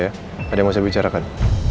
ada yang mau saya bicarakan